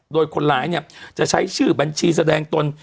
โดยคนร้ายเนี่ยจะใช้ชื่อบัญชีแสดงตน